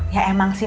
ya emang sih